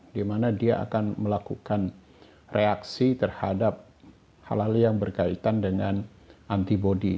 dimana dia akan melakukan reaksi terhadap hal hal yang berkaitan dengan antibody